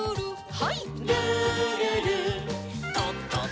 はい。